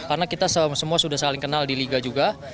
karena kita semua sudah saling kenal di liga juga